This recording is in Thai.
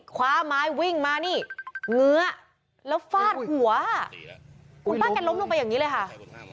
คว้าไม้วิ่งมานี่เงื้อแล้วฟาดหัวคุณป้าแกล้มลงไปอย่างนี้เลยค่ะ